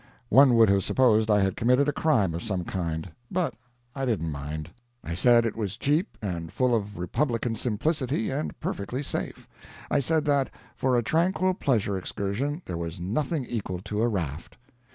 One would have supposed I had committed a crime of some kind. But I didn't mind. I said it was cheap, and full of republican simplicity, and perfectly safe. I said that, for a tranquil pleasure excursion, there was nothing equal to a raft.